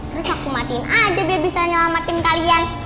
terus aku matiin aja biar bisa nyelamatin kalian